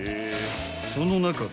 ［その中で］